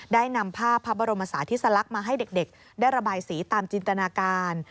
ได้นำภาพพระบรมศาสติสลักษณ์มาให้เด็กได้ระบายสีตามจินตนาการ